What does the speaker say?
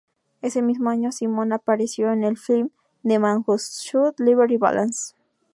Ese mismo año Simon apareció en el film "The Man Who Shot Liberty Valance".